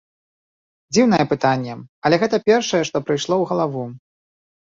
Дзіўнае пытанне, але гэта першае, што прыйшло ў галаву.